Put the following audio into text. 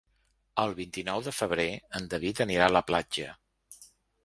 El vint-i-nou de febrer en David anirà a la platja.